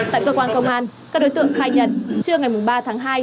tại cơ quan công an các đối tượng khai nhận trưa ngày ba tháng hai